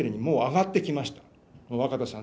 若田さん